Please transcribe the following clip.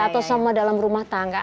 atau sama dalam rumah tangga